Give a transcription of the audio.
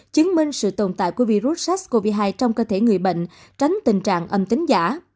chứng minh sự tồn tại của virus sars cov hai trong cơ thể người bệnh tránh tình trạng âm tính giả